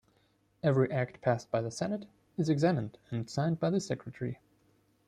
Every act passed by the Senate is examined and signed by the secretary.